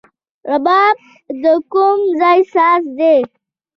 رباب د کوم ځای ساز دی؟